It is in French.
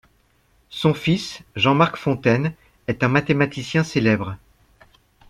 Son fils, Jean-Marc Fontaine, est un mathématicien célèbre.